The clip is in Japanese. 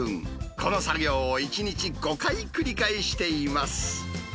この作業を１日５回繰り返しています。